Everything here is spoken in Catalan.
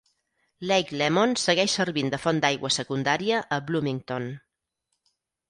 Lake Lemon segueix servint de font d'aigua secundària a Bloomington.